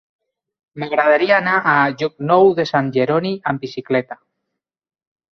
M'agradaria anar a Llocnou de Sant Jeroni amb bicicleta.